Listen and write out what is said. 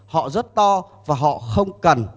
họ rất to và họ không cần